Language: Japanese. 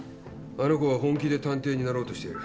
あの子は本気で探偵になろうとしている。